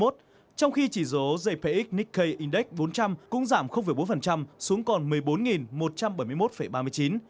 trong khi chỉ số jpx nikkei index bốn trăm linh cũng giảm bốn xuống còn một mươi bốn một trăm bảy mươi một ba mươi chín